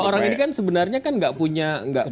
dua orang ini kan sebenarnya kan gak punya